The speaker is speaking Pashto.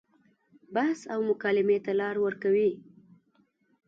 بحث او مکالمې ته لار ورکوي.